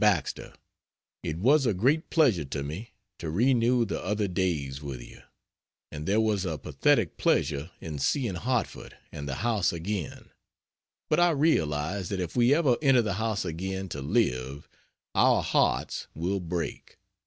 BAXTER, It was a great pleasure to me to renew the other days with you, and there was a pathetic pleasure in seeing Hartford and the house again; but I realize that if we ever enter the house again to live, our hearts will break.